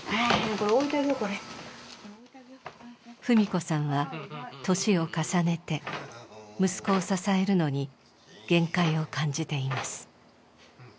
文子さんは年を重ねて息子を支えるのに限界を感じています。